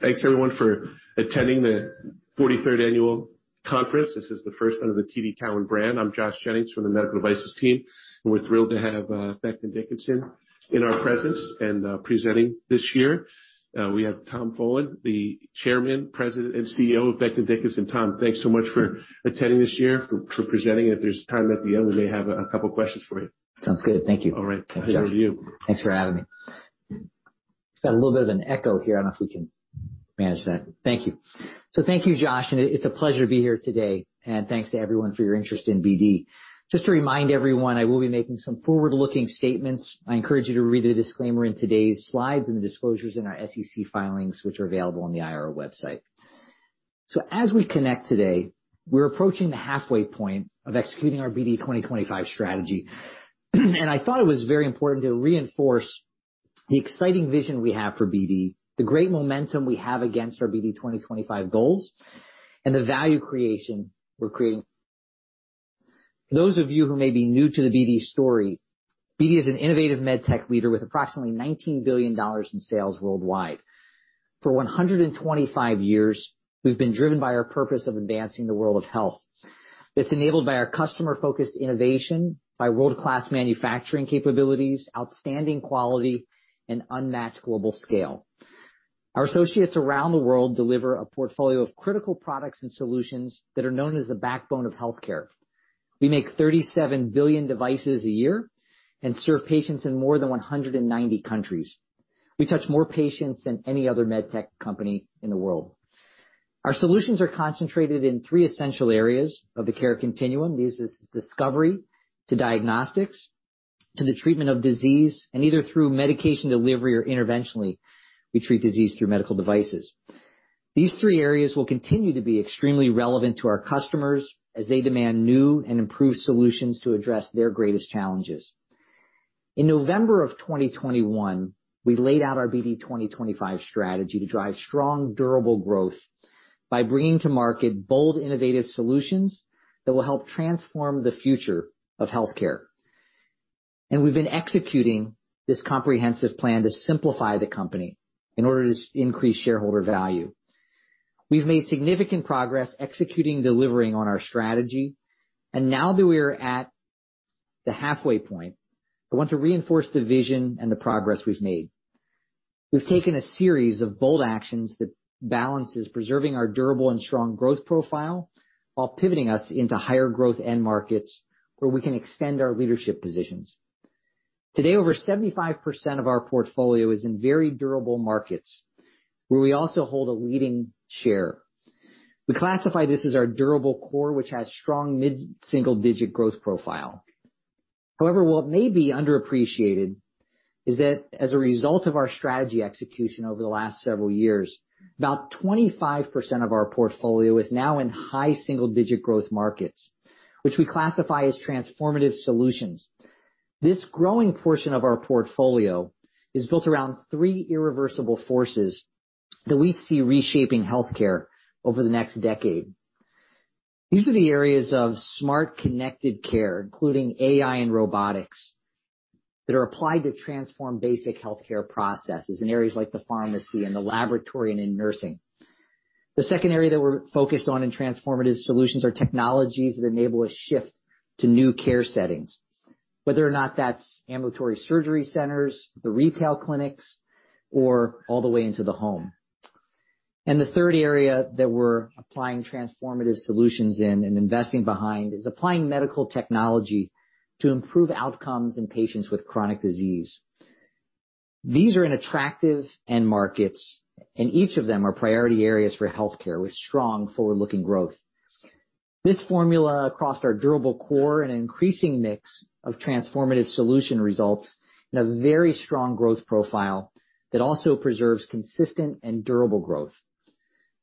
Thanks everyone for attending the 43rd annual conference. This is the first under the TD Cowen brand. I'm Josh Jennings from the Medical Devices team, and we're thrilled to have Becton Dickinson in our presence and presenting this year. We have Tom Polen, the Chairman, President, and CEO of Becton Dickinson. Tom, thanks so much for attending this year, for presenting. If there's time at the end, we may have a couple questions for you. Sounds good. Thank you. All right. Over to you. Thanks for having me. Got a little bit of an echo here. I don't know if we can manage that. Thank you. Thank you, Josh, it's a pleasure to be here today. Thanks to everyone for your interest in BD. Just to remind everyone, I will be making some forward-looking statements. I encourage you to read the disclaimer in today's slides and the disclosures in our SEC filings, which are available on the IR website. As we connect today, we're approaching the halfway point of executing our BD 2025 strategy. I thought it was very important to reinforce the exciting vision we have for BD, the great momentum we have against our BD 2025 goals, and the value creation we're creating. For those of you who may be new to the BD story, BD is an innovative med tech leader with approximately $19 billion in sales worldwide. For 125 years, we've been driven by our purpose of advancing the world of health. It's enabled by our customer-focused innovation, by world-class manufacturing capabilities, outstanding quality, and unmatched global scale. Our associates around the world deliver a portfolio of critical products and solutions that are known as the backbone of healthcare. We make 37 billion devices a year and serve patients in more than 190 countries. We touch more patients than any other med tech company in the world. Our solutions are concentrated in three essential areas of the care continuum. These is discovery to diagnostics, to the treatment of disease, and either through medication delivery or interventionally, we treat disease through medical devices. These three areas will continue to be extremely relevant to our customers as they demand new and improved solutions to address their greatest challenges. In November of 2021, we laid out our BD 2025 strategy to drive strong, durable growth by bringing to market bold, innovative solutions that will help transform the future of healthcare. We've been executing this comprehensive plan to simplify the company in order to increase shareholder value. We've made significant progress executing, delivering on our strategy. Now that we are at the halfway point, I want to reinforce the vision and the progress we've made. We've taken a series of bold actions that balances preserving our durable and strong growth profile while pivoting us into higher growth end markets where we can extend our leadership positions. Today, over 75% of our portfolio is in very durable markets, where we also hold a leading share. We classify this as our durable core, which has strong mid-single-digit growth profile. However, what may be underappreciated is that as a result of our strategy execution over the last several years, about 25% of our portfolio is now in high-single-digit growth markets, which we classify as transformative solutions. This growing portion of our portfolio is built around three irreversible forces that we see reshaping healthcare over the next decade. These are the areas of smart, connected care, including AI and robotics, that are applied to transform basic healthcare processes in areas like the pharmacy and the laboratory and in nursing. The second area that we're focused on in transformative solutions are technologies that enable a shift to new care settings, whether or not that's ambulatory surgery centers, the retail clinics, or all the way into the home. The third area that we're applying transformative solutions in and investing behind is applying medical technology to improve outcomes in patients with chronic disease. These are in attractive end markets, and each of them are priority areas for healthcare with strong forward-looking growth. This formula across our durable core and increasing mix of transformative solution results in a very strong growth profile that also preserves consistent and durable growth.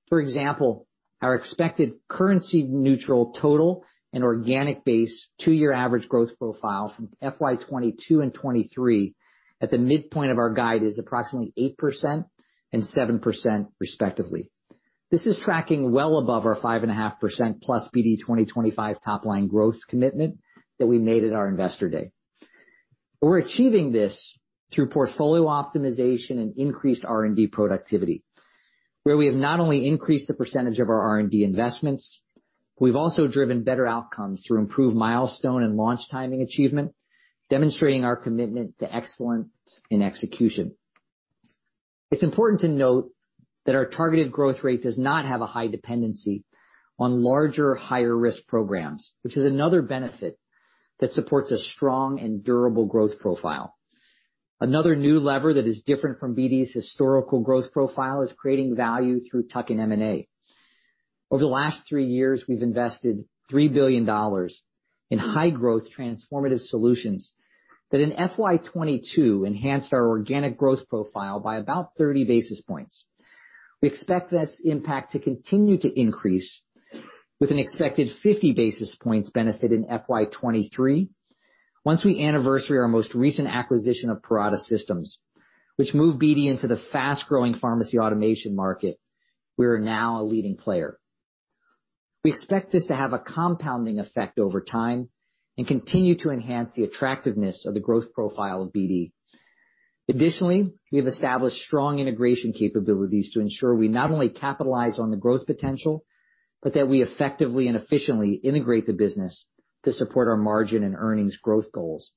For example, our expected currency neutral total and organic base two-year average growth profile from FY 2022 and 2023 at the midpoint of our guide is approximately 8% and 7% respectively. This is tracking well above our 5.5% plus BD 2025 top line growth commitment that we made at our Investor Day. We're achieving this through portfolio optimization and increased R&D productivity, where we have not only increased the percentage of our R&D investments, we've also driven better outcomes through improved milestone and launch timing achievement, demonstrating our commitment to excellence in execution. It's important to note that our targeted growth rate does not have a high dependency on larger, higher risk programs, which is another benefit that supports a strong and durable growth profile. Another new lever that is different from BD's historical growth profile is creating value through tuck-in M&A. Over the last three years, we've invested $3 billion in high growth transformative solutions that in FY 2022 enhanced our organic growth profile by about 30 basis points. We expect this impact to continue to increase with an expected 50 basis points benefit in FY 2023 once we anniversary our most recent acquisition of Parata Systems, which moved BD into the fast-growing pharmacy automation market. We are now a leading player. We expect this to have a compounding effect over time and continue to enhance the attractiveness of the growth profile of BD. Additionally, we have established strong integration capabilities to ensure we not only capitalize on the growth potential, but that we effectively and efficiently integrate the business to support our margin and earnings growth goals.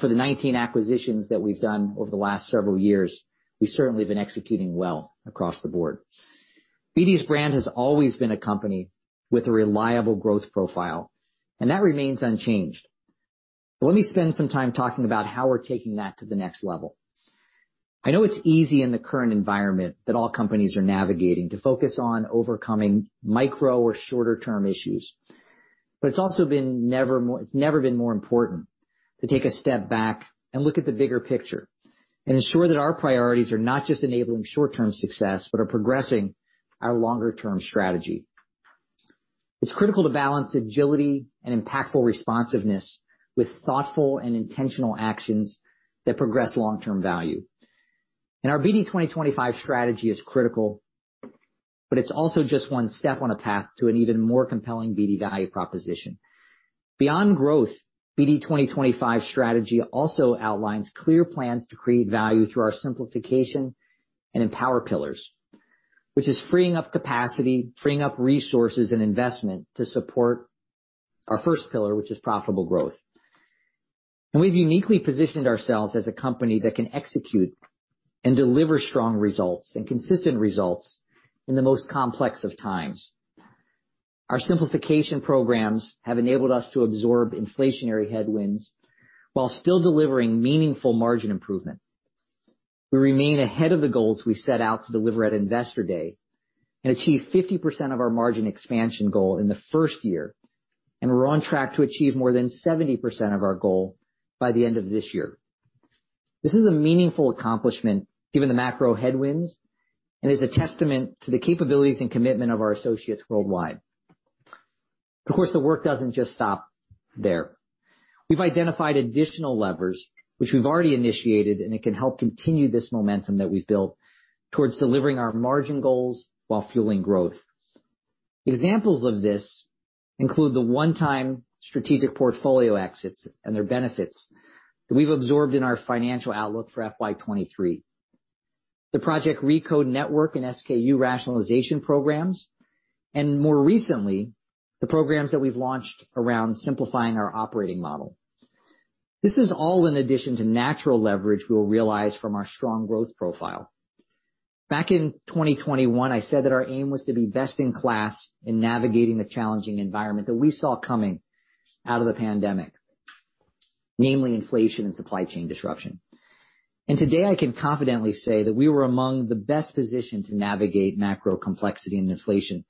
For the 19 acquisitions that we've done over the last several years, we certainly have been executing well across the board. BD's brand has always been a company with a reliable growth profile, and that remains unchanged. Let me spend some time talking about how we're taking that to the next level. I know it's easy in the current environment that all companies are navigating to focus on overcoming micro or shorter-term issues. It's also been it's never been more important to take a step back and look at the bigger picture and ensure that our priorities are not just enabling short-term success, but are progressing our longer-term strategy. It's critical to balance agility and impactful responsiveness with thoughtful and intentional actions that progress long-term value. Our BD 2025 strategy is critical, but it's also just one step on a path to an even more compelling BD value proposition. Beyond growth, BD 2025 strategy also outlines clear plans to create value through our simplification and empower pillars, which is freeing up capacity, freeing up resources and investment to support our first pillar, which is profitable growth. We've uniquely positioned ourselves as a company that can execute and deliver strong results and consistent results in the most complex of times. Our simplification programs have enabled us to absorb inflationary headwinds while still delivering meaningful margin improvement. We remain ahead of the goals we set out to deliver at Investor Day and achieve 50% of our margin expansion goal in the first year. We're on track to achieve more than 70% of our goal by the end of this year. This is a meaningful accomplishment given the macro headwinds, and is a testament to the capabilities and commitment of our associates worldwide. Of course, the work doesn't just stop there. We've identified additional levers which we've already initiated, and it can help continue this momentum that we've built towards delivering our margin goals while fueling growth. Examples of this include the one-time strategic portfolio exits and their benefits that we've absorbed in our financial outlook for FY 2023. The Project RECODE network and SKU rationalization programs, and more recently, the programs that we've launched around simplifying our operating model. This is all in addition to natural leverage we'll realize from our strong growth profile. Back in 2021, I said that our aim was to be best in class in navigating the challenging environment that we saw coming out of the pandemic, namely inflation and supply chain disruption. Today, I can confidently say that we were among the best positioned to navigate macro complexity and inflation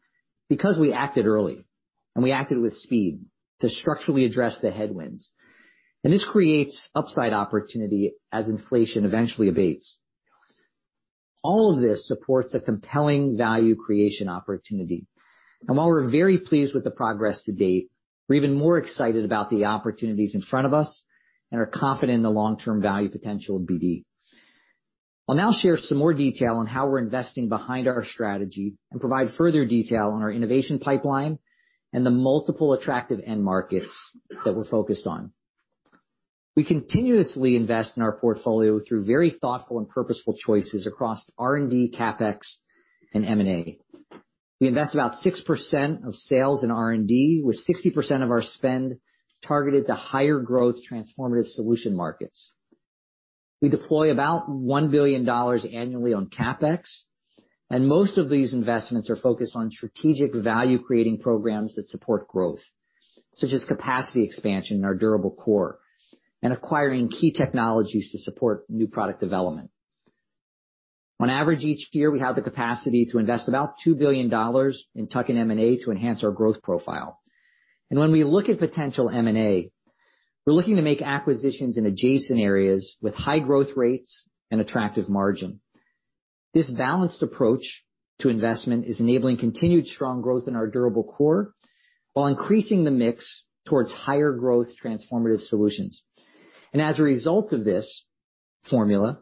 because we acted early, and we acted with speed to structurally address the headwinds. This creates upside opportunity as inflation eventually abates. All of this supports a compelling value creation opportunity. While we're very pleased with the progress to date, we're even more excited about the opportunities in front of us and are confident in the long-term value potential of BD. I'll now share some more detail on how we're investing behind our strategy and provide further detail on our innovation pipeline and the multiple attractive end markets that we're focused on. We continuously invest in our portfolio through very thoughtful and purposeful choices across R&D, CapEx, and M&A. We invest about 6% of sales in R&D, with 60% of our spend targeted to higher growth transformative solution markets. We deploy about $1 billion annually on CapEx, most of these investments are focused on strategic value-creating programs that support growth, such as capacity expansion in our durable core and acquiring key technologies to support new product development. On average, each year, we have the capacity to invest about $2 billion in tuck-in M&A to enhance our growth profile. When we look at potential M&A, we're looking to make acquisitions in adjacent areas with high growth rates and attractive margin. This balanced approach to investment is enabling continued strong growth in our durable core while increasing the mix towards higher growth transformative solutions. As a result of this formula,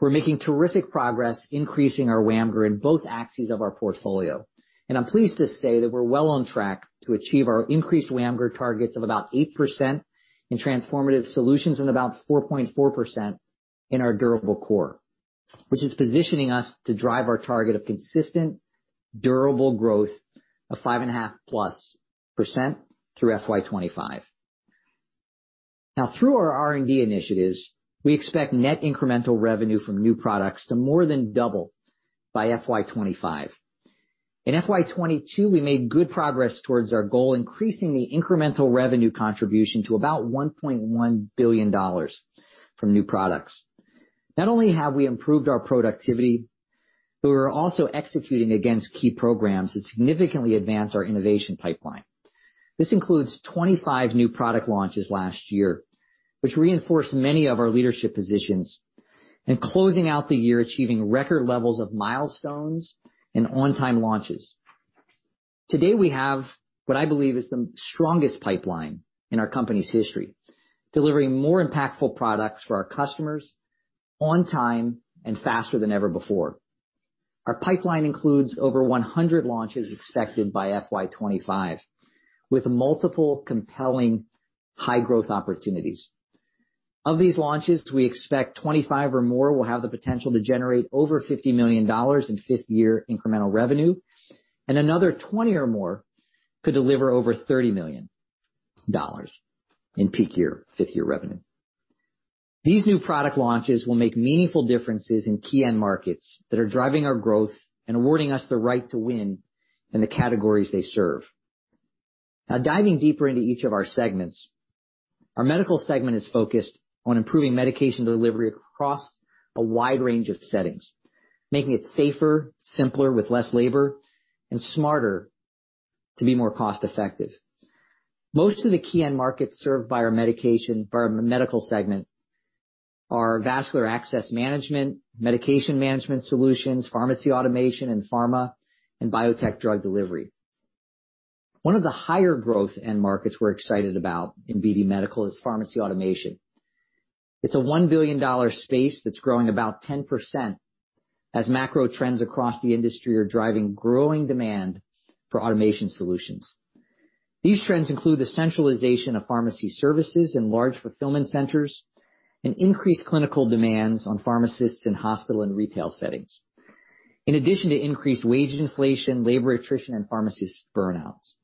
we're making terrific progress increasing our WAMGR in both axes of our portfolio. I'm pleased to say that we're well on track to achieve our increased WAMGR targets of about 8% in transformative solutions and about 4.4% in our durable core, which is positioning us to drive our target of consistent, durable growth of 5.5%+ through FY 2025. Through our R&D initiatives, we expect net incremental revenue from new products to more than double by FY 2025. In FY 2022, we made good progress towards our goal, increasing the incremental revenue contribution to about $1.1 billion from new products. Not only have we improved our productivity, but we're also executing against key programs that significantly advance our innovation pipeline. This includes 25 new product launches last year, which reinforced many of our leadership positions, and closing out the year achieving record levels of milestones and on-time launches. Today, we have what I believe is the strongest pipeline in our company's history, delivering more impactful products for our customers. On time and faster than ever before. Our pipeline includes over 100 launches expected by FY 2025, with multiple compelling high growth opportunities. Of these launches, we expect 25 or more will have the potential to generate over $50 million in fifth year incremental revenue and another 20 or more could deliver over $30 million in peak year, fifth year revenue. These new product launches will make meaningful differences in key end markets that are driving our growth and awarding us the right to win in the categories they serve. Now, diving deeper into each of our segments. Our medical segment is focused on improving medication delivery across a wide range of settings, making it safer, simpler with less labor and smarter to be more cost effective. Most of the key end markets served by our Medical Segment are vascular access management, medication management solutions, pharmacy automation and pharma and biotech drug delivery. One of the higher growth end markets we're excited about in BD Medical is pharmacy automation. It's a $1 billion space that's growing about 10% as macro trends across the industry are driving growing demand for automation solutions. These trends include the centralization of pharmacy services in large fulfillment centers and increased clinical demands on pharmacists in hospital and retail settings. In addition to increased wage inflation, labor attrition and pharmacist burnouts.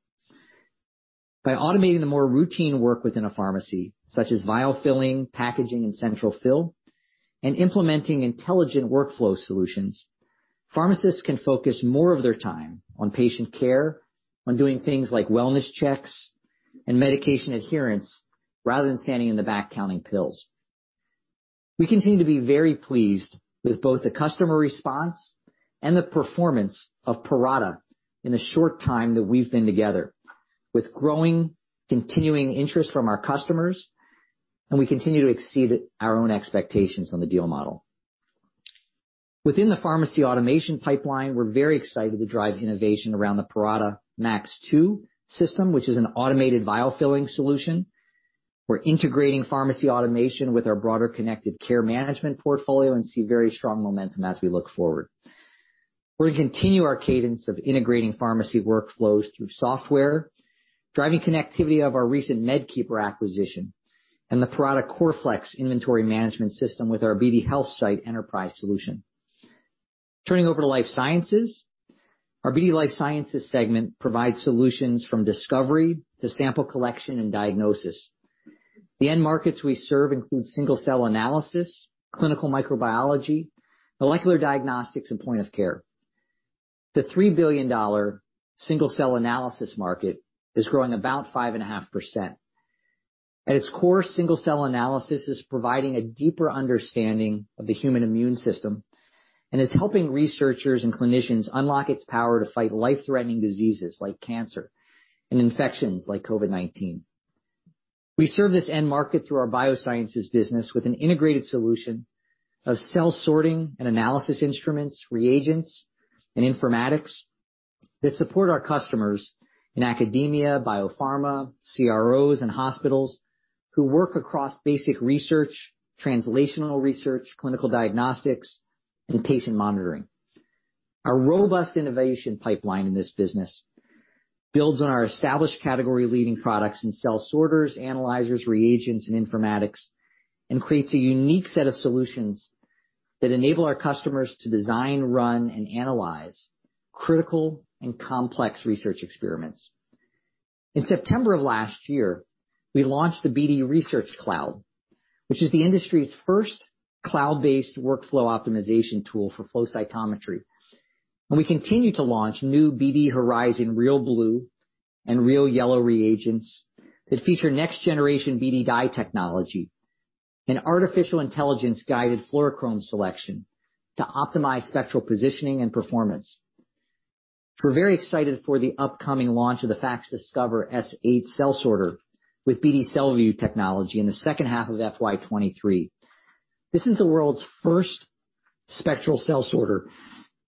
By automating the more routine work within a pharmacy, such as vial filling, packaging and central fill, and implementing intelligent workflow solutions, pharmacists can focus more of their time on patient care, on doing things like wellness checks and medication adherence, rather than standing in the back counting pills. We continue to be very pleased with both the customer response and the performance of Parata in the short time that we've been together. With growing, continuing interest from our customers, we continue to exceed our own expectations on the deal model. Within the pharmacy automation pipeline, we're very excited to drive innovation around the Parata Max 2 system, which is an automated vial filling solution. We're integrating pharmacy automation with our broader connected care management portfolio and see very strong momentum as we look forward. We're gonna continue our cadence of integrating pharmacy workflows through software, driving connectivity of our recent MedKeeper acquisition and the Parata CORflex inventory management system with our BD HealthSight enterprise solution. Turning over to Life Sciences. Our BD Life Sciences segment provides solutions from discovery to sample collection and diagnosis. The end markets we serve include single cell analysis, clinical microbiology, molecular diagnostics and point of care. The $3 billion single cell analysis market is growing about 5.5%. At its core, single cell analysis is providing a deeper understanding of the human immune system and is helping researchers and clinicians unlock its power to fight life-threatening diseases like cancer and infections like COVID-19. We serve this end market through our biosciences business with an integrated solution of cell sorting and analysis instruments, reagents and informatics that support our customers in academia, biopharma, CROs and hospitals who work across basic research, translational research, clinical diagnostics and patient monitoring. Our robust innovation pipeline in this business builds on our established category leading products in cell sorters, analyzers, reagents and informatics, and creates a unique set of solutions that enable our customers to design, run and analyze critical and complex research experiments. In September of last year, we launched the BD Research Cloud, which is the industry's first cloud-based workflow optimization tool for flow cytometry, and we continue to launch new BD Horizon RealBlue and RealYellow reagents that feature next generation BD dye technology and artificial intelligence guided fluorochrome selection to optimize spectral positioning and performance. We're very excited for the upcoming launch of the BD FACSDiscover S8 Cell Sorter with BD CellView technology in the second half of FY 2023. This is the world's first spectral cell sorter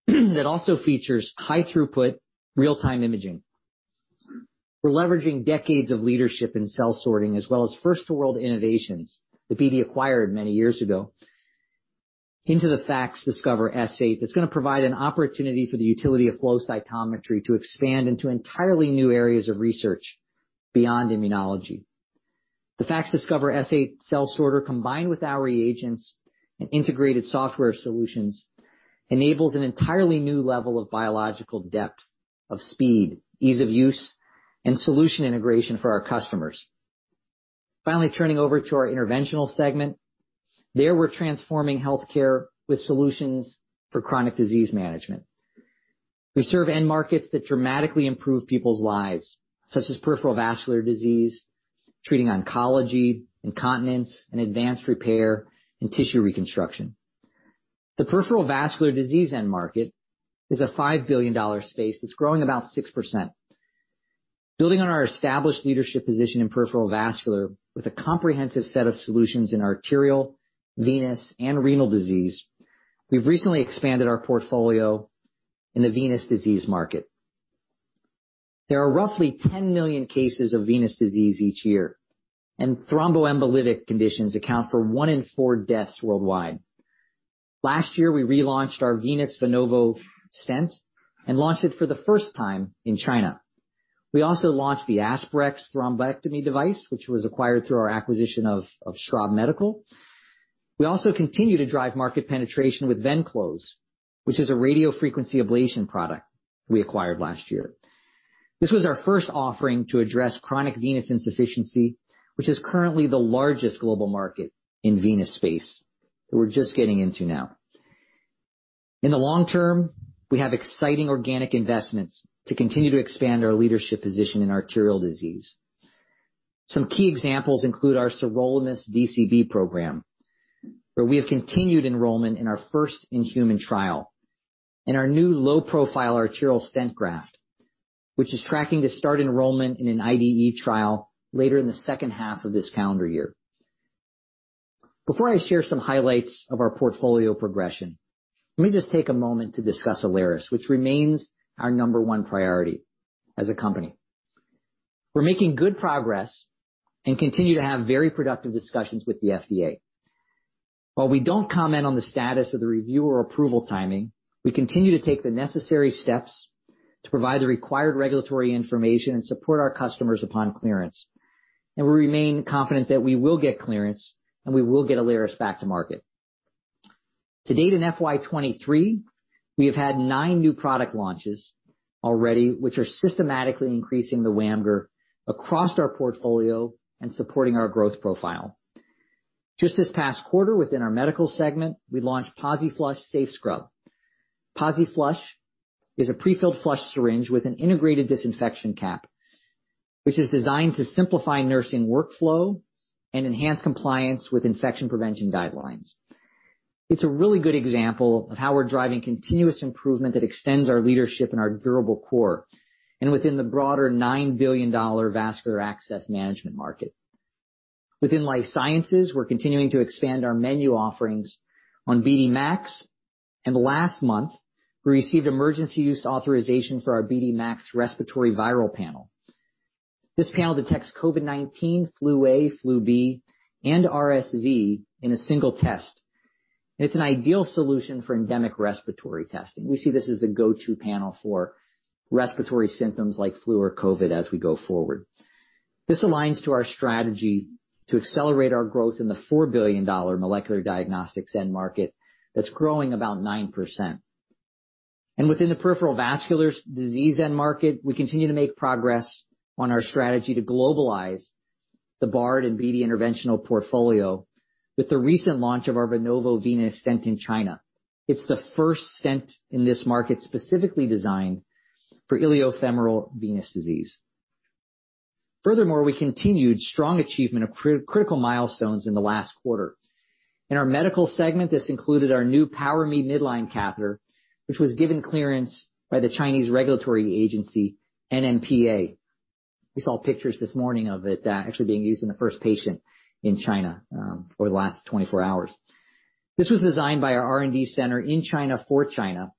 that also features high throughput, real-time imaging. We're leveraging decades of leadership in cell sorting as well as first to world innovations that BD acquired many years ago into the BD FACSDiscover S8. That's gonna provide an opportunity for the utility of flow cytometry to expand into entirely new areas of research beyond immunology. The BD FACSDiscover S8 cell sorter, combined with our reagents and integrated software solutions, enables an entirely new level of biological depth of speed, ease of use and solution integration for our customers. Finally, turning over to our interventional segment. There, we're transforming healthcare with solutions for chronic disease management. We serve end markets that dramatically improve people's lives, such as peripheral vascular disease, treating oncology, incontinence, and advanced repair and tissue reconstruction. The peripheral vascular disease end market is a $5 billion space that's growing about 6%. Building on our established leadership position in peripheral vascular with a comprehensive set of solutions in arterial, venous, and renal disease, we've recently expanded our portfolio in the venous disease market. There are roughly 10 million cases of venous disease each year, and thromboembolic conditions account for one in four deaths worldwide. Last year, we relaunched our Venovo Venous Stent and launched it for the first time in China. We also launched the Aspirex Thrombectomy device, which was acquired through our acquisition of Straub Medical. We also continue to drive market penetration with Venclose, which is a radiofrequency ablation product we acquired last year. This was our first offering to address chronic venous insufficiency, which is currently the largest global market in venous space that we're just getting into now. In the long term, we have exciting organic investments to continue to expand our leadership position in arterial disease. Some key examples include our sirolimus DCB program, where we have continued enrollment in our first in-human trial, and our new low-profile arterial stent graft, which is tracking to start enrollment in an IDE trial later in the second half of this calendar year. Before I share some highlights of our portfolio progression, let me just take a moment to discuss Alaris, which remains our number one priority as a company. We're making good progress and continue to have very productive discussions with the FDA. While we don't comment on the status of the review or approval timing, we continue to take the necessary steps to provide the required regulatory information and support our customers upon clearance. We remain confident that we will get clearance, and we will get Alaris back to market. To date, in FY 2023, we have had nine new product launches already, which are systematically increasing the WAMGR across our portfolio and supporting our growth profile. Just this past quarter, within our medical segment, we launched BD PosiFlush SafeScrub. BD PosiFlush is a prefilled flush syringe with an integrated disinfection cap, which is designed to simplify nursing workflow and enhance compliance with infection prevention guidelines. It's a really good example of how we're driving continuous improvement that extends our leadership in our durable core and within the broader $9 billion vascular access management market. Within Life Sciences, we're continuing to expand our menu offerings on BD MAX, and last month, we received emergency use authorization for our BD MAX Respiratory Viral Panel. This panel detects COVID-19, flu A, flu B, and RSV in a single test. It's an ideal solution for endemic respiratory testing. We see this as the go-to panel for respiratory symptoms like flu or COVID as we go forward. This aligns to our strategy to accelerate our growth in the $4 billion molecular diagnostics end market that's growing about 9%. Within the peripheral vascular disease end market, we continue to make progress on our strategy to globalize the Bard and BD Interventional portfolio with the recent launch of our Venovo Venous Stent in China. It's the first stent in this market specifically designed for iliofemoral venous disease. We continued strong achievement of critical milestones in the last quarter. In our medical segment, this included our new PowerMe Midline Catheter, which was given clearance by the Chinese regulatory agency, NMPA. We saw pictures this morning of it, actually being used in the first patient in China, over the last 24 hours. This was designed by our R&D center in China for China,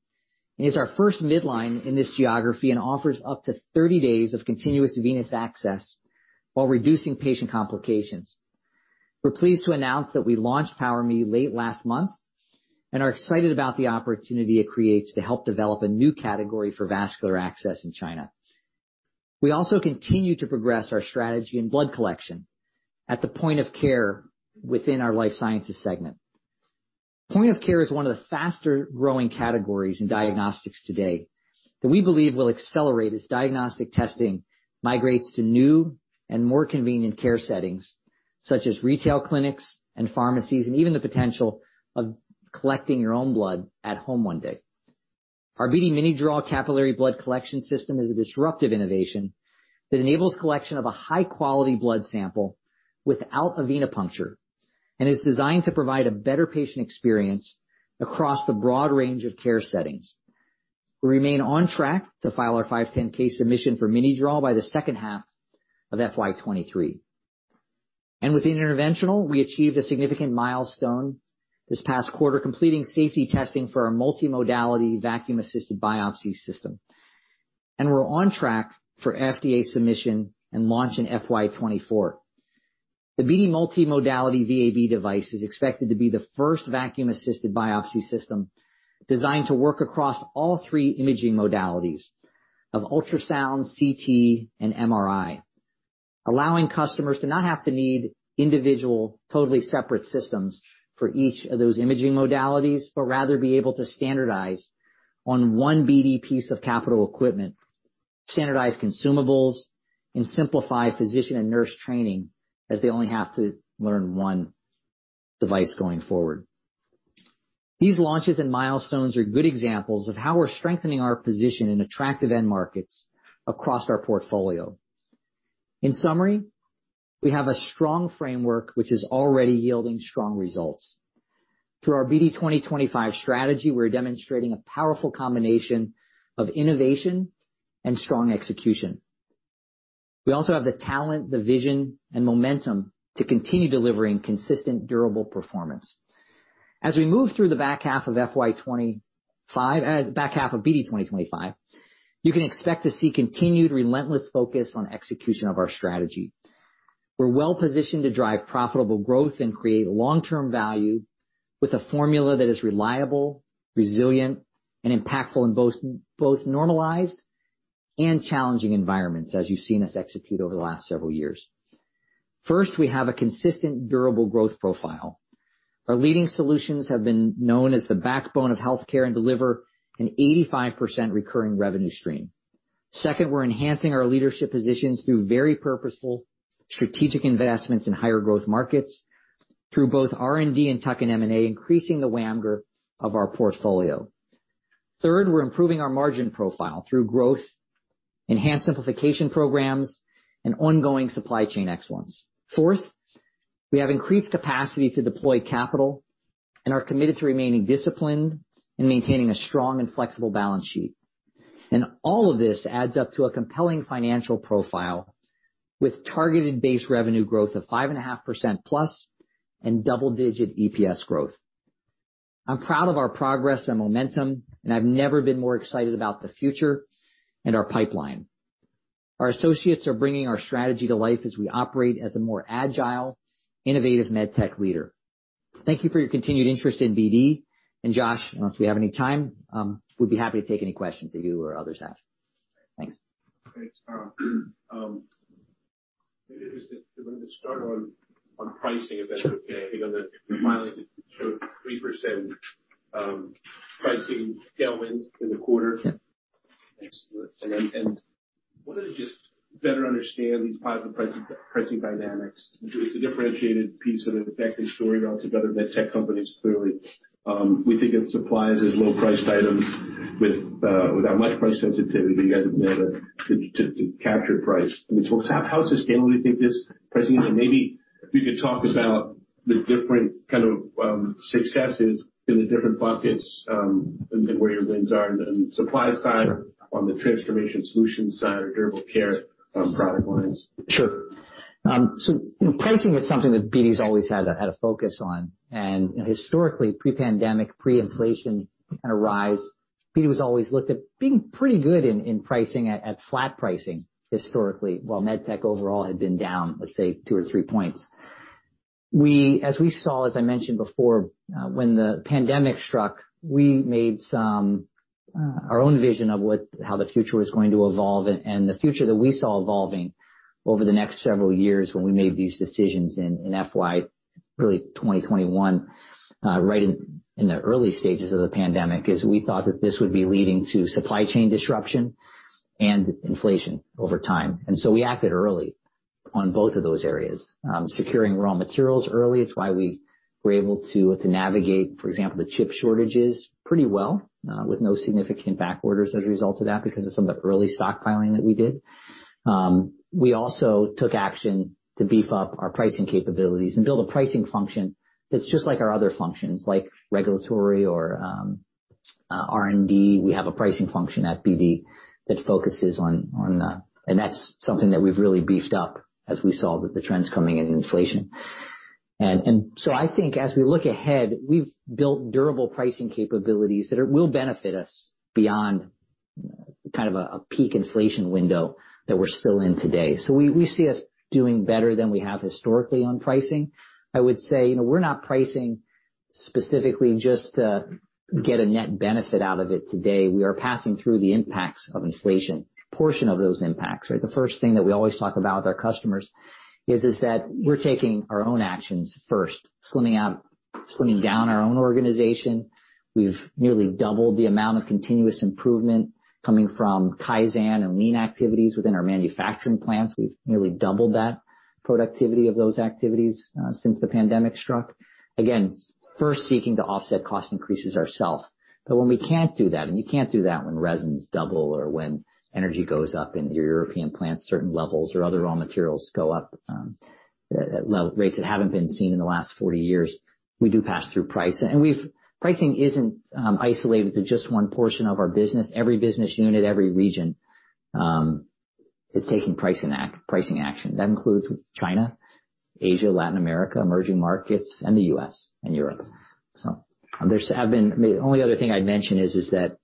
and is our first midline in this geography and offers up to 30 days of continuous venous access while reducing patient complications. We're pleased to announce that we launched PowerMe late last month and are excited about the opportunity it creates to help develop a new category for vascular access in China. We also continue to progress our strategy in blood collection at the point of care within our Life Sciences segment. Point of care is one of the faster-growing categories in diagnostics today that we believe will accelerate as diagnostic testing migrates to new and more convenient care settings such as retail clinics and pharmacies, and even the potential of collecting your own blood at home one day. Our BD MiniDraw Capillary Blood Collection System is a disruptive innovation that enables collection of a high-quality blood sample without a venipuncture and is designed to provide a better patient experience across the broad range of care settings. We remain on track to file our 510(k) submission for MiniDraw by the second half of FY 2023. Within interventional, we achieved a significant milestone this past quarter, completing safety testing for our multimodality vacuum-assisted biopsy system. We're on track for FDA submission and launch in FY 2024. The BD multimodality VAB device is expected to be the first vacuum-assisted biopsy system designed to work across all three imaging modalities of ultrasound, CT, and MRI, allowing customers to not have to need individual, totally separate systems for each of those imaging modalities, but rather be able to standardize on one BD piece of capital equipment, standardize consumables, and simplify physician and nurse training as they only have to learn one device going forward. These launches and milestones are good examples of how we're strengthening our position in attractive end markets across our portfolio. In summary, we have a strong framework which is already yielding strong results. Through our BD 2025 strategy, we're demonstrating a powerful combination of innovation and strong execution. We also have the talent, the vision, and momentum to continue delivering consistent, durable performance. As we move through the back half of BD 2025, you can expect to see continued relentless focus on execution of our strategy. We're well positioned to drive profitable growth and create long-term value with a formula that is reliable, resilient, and impactful in both normalized and challenging environments, as you've seen us execute over the last several years. First, we have a consistent, durable growth profile. Our leading solutions have been known as the backbone of healthcare and deliver an 85% recurring revenue stream. Second, we're enhancing our leadership positions through very purposeful strategic investments in higher growth markets through both R&D and tuck-in M&A, increasing the WAMGR of our portfolio. Third, we're improving our margin profile through growth, enhanced simplification programs, and ongoing supply chain excellence. Fourth, we have increased capacity to deploy capital and are committed to remaining disciplined and maintaining a strong and flexible balance sheet. All of this adds up to a compelling financial profile with targeted base revenue growth of 5.5%+ and double-digit EPS growth. I'm proud of our progress and momentum, and I've never been more excited about the future and our pipeline. Our associates are bringing our strategy to life as we operate as a more agile, innovative med tech leader. Thank you for your continued interest in BD. Josh, unless we have any time, we'd be happy to take any questions that you or others have. Thanks. Great. maybe just to start on pricing, if that's okay. I think on the filings, it showed 3% pricing tailwinds in the quarter. Yes. I just wanted to just better understand these positive pricing dynamics. It's a differentiated piece of an effective story altogether. Med tech companies clearly, we think of supplies as low priced items without much price sensitivity, you guys have been able to capture price. I mean, how sustainable do you think this pricing is? Maybe if you could talk about the different kind of successes in the different buckets, and where your wins are on the supply side. Sure. On the transformation solutions side or durable core, product lines. Sure. You know, pricing is something that BD's always had a focus on. You know, historically pre-pandemic, pre-inflation kind of rise, BD was always looked at being pretty good in pricing at flat pricing historically, while med tech overall had been down, let's say two or three points. As we saw, as I mentioned before, when the pandemic struck, we made some, our own vision of how the future was going to evolve and the future that we saw evolving over the next several years when we made these decisions in FY really 2021, right in the early stages of the pandemic, is we thought that this would be leading to supply chain disruption and inflation over time. We acted early on both of those areas, securing raw materials early. It's why we were able to navigate, for example, the chip shortages pretty well, with no significant back orders as a result of that, because of some of the early stockpiling that we did. We also took action to beef up our pricing capabilities and build a pricing function that's just like our other functions, like regulatory or R&D. We have a pricing function at BD that focuses on that. That's something that we've really beefed up as we saw the trends coming in inflation. So I think as we look ahead, we've built durable pricing capabilities that will benefit us beyond kind of a peak inflation window that we're still in today. We, we see us doing better than we have historically on pricing. I would say, you know, we're not pricing specifically just to get a net benefit out of it today. We are passing through the impacts of inflation, portion of those impacts, right? The first thing that we always talk about with our customers is that we're taking our own actions first, slimming down our own organization. We've nearly doubled the amount of continuous improvement coming from kaizen and lean activities within our manufacturing plants. We've nearly doubled that productivity of those activities since the pandemic struck. First seeking to offset cost increases ourself. When we can't do that, and you can't do that when resins double or when energy goes up in your European plants, certain levels or other raw materials go up, at rates that haven't been seen in the last 40 years, we do pass through price. Pricing isn't isolated to just one portion of our business. Every business unit, every region is taking pricing action. That includes China, Asia, Latin America, emerging markets, and the U.S. and Europe. The only other thing I'd mention is that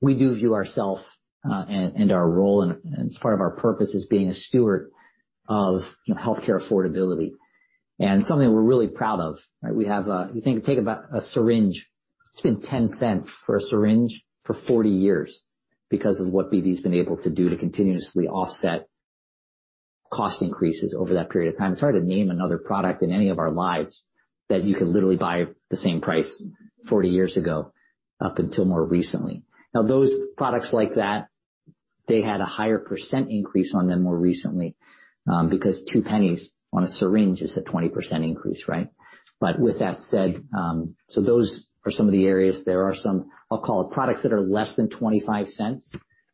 we do view ourself and our role and as part of our purpose as being a steward of, you know, healthcare affordability. Something we're really proud of, right? We have, I think, take about a syringe. It's been $0.10 for a syringe for 40 years because of what BD's been able to do to continuously offset cost increases over that period of time. It's hard to name another product in any of our lives that you could literally buy the same price 40 years ago, up until more recently. Those products like that, they had a higher % increase on them more recently, because $0.02 on a syringe is a 20% increase, right? With that said, those are some of the areas. There are some, I'll call it, products that are less than $0.25.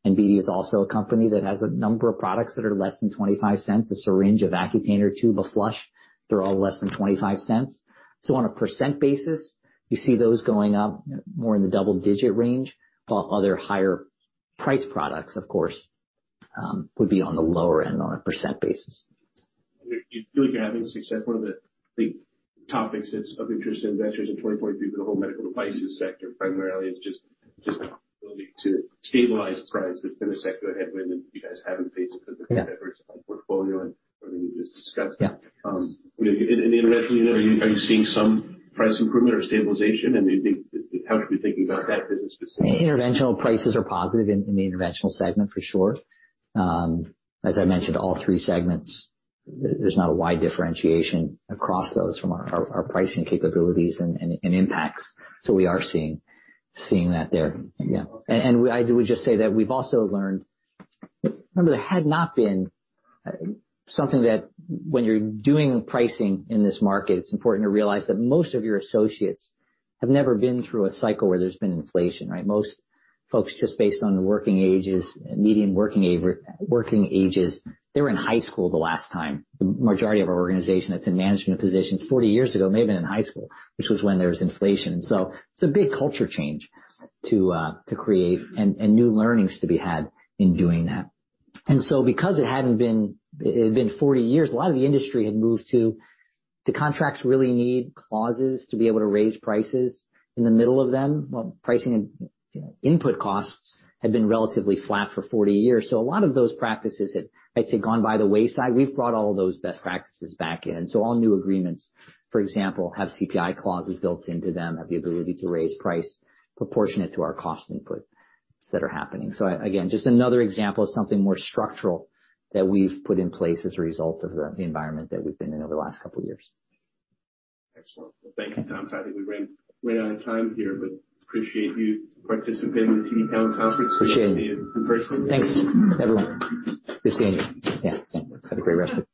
BD is also a company that has a number of products that are less than $0.25. A syringe, a Vacutainer tube, a flush, they're all less than $0.25. On a % basis, you see those going up more in the double-digit range, while other higher price products, of course, would be on the lower end on a % basis. You feel like you're having success. One of the big topics that's of interest to investors in 2023 for the whole medical devices sector primarily is just the ability to stabilize price. There's been a secular headwind that you guys haven't faced because of. Yeah. the diverse portfolio and everything you just discussed. Yeah. You know, in the interventional unit, are you seeing some price improvement or stabilization? How should we think about that business specifically? Interventional prices are positive in the interventional segment for sure. As I mentioned, all three segments, there's not a wide differentiation across those from our pricing capabilities and impacts. We are seeing that there. Yeah. I would just say that we've also learned. Remember, there had not been something that when you're doing pricing in this market, it's important to realize that most of your associates have never been through a cycle where there's been inflation, right? Most folks, just based on the working ages, median working age, they were in high school the last time. The majority of our organization that's in management positions 40 years ago may have been in high school, which was when there was inflation. It's a big culture change to create and new learnings to be had in doing that. Because it had been 40 years, a lot of the industry had moved to, do contracts really need clauses to be able to raise prices in the middle of them? Well, pricing and input costs had been relatively flat for 40 years, a lot of those practices had, I'd say, gone by the wayside. We've brought all of those best practices back in. All new agreements, for example, have CPI clauses built into them, have the ability to raise price proportionate to our cost inputs that are happening. Again, just another example of something more structural that we've put in place as a result of the environment that we've been in over the last couple of years. Excellent. Thank you, Tom. I think we ran out of time here, appreciate you participating in the TD Cowen conference. Appreciate it. Hope to see you in person. Thanks, everyone. Good seeing you. Yeah, same. Have a great rest of it.